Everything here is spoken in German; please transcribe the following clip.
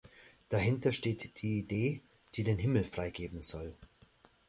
Dahinter steht die Idee, die den Himmel freigeben soll.